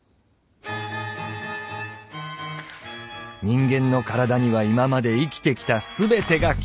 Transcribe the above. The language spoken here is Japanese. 人間の体には今まで生きてきた全てが記憶されている。